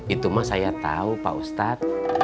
itu mah saya tahu pak ustadz